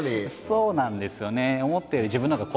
そうなんですよね。